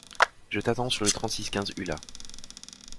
Je t'attends sur le trente six quinze Ulla.